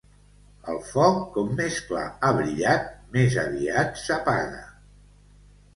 El foc, com més clar ha brillat, més aviat s'apaga.